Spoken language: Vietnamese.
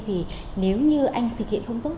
thì nếu như anh thực hiện không tốt